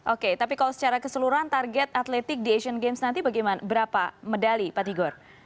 oke tapi kalau secara keseluruhan target atletik di asian games nanti bagaimana berapa medali pak tigor